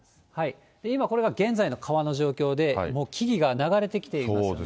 今これが現在の川の状況で、もう木々が流れてきていますよね。